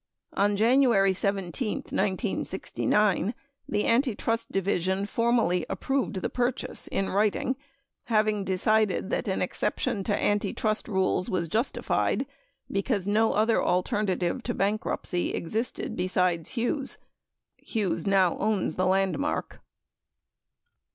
On January 17, 1969, the Antitrust Division for mally approved the purchase — in writing — having decided that an exception to antitrust rules was justified because no other alternative to bankruptcy existed besides Hughes. 18 Hughes now owns the Landmark.